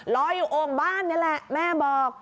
รออยู่โอ่งบ้านนี่แหละแม่บอก